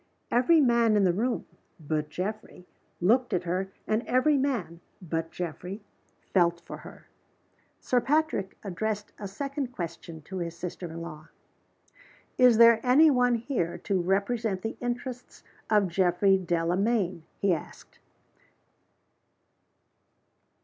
Every man in the room (but Geoffrey) looked at her; and every man (but Geoffrey) felt for her. Sir Patrick addressed a second question to his sister in law. "Is there any one here to represent the interests of Mr. Geoffrey Delamayn?" he asked.